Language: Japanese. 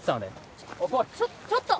ちょちょちょっと。